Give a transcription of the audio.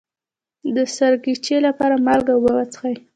د سرګیچي لپاره مالګه او اوبه وڅښئ